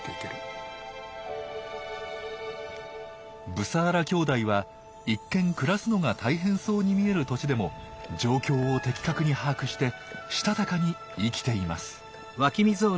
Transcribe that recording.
ブサーラ兄弟は一見暮らすのが大変そうに見える土地でも状況を的確に把握してしたたかに生きています。